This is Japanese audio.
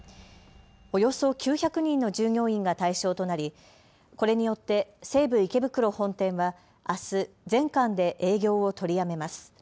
およそ９００人の従業員が対象となり、これによって西武池袋本店はあす全館で営業を取りやめます。